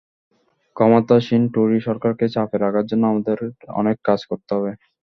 ক্ষমতাসীন টোরি সরকারকে চাপে রাখার জন্য আমাদের অনেক কাজ করতে হবে।